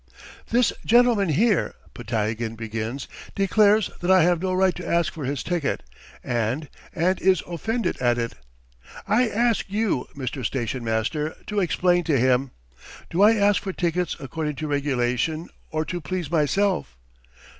"This gentleman here," Podtyagin begins, "declares that I have no right to ask for his ticket and ... and is offended at it. I ask you, Mr. Station master, to explain to him. ... Do I ask for tickets according to regulation or to please myself?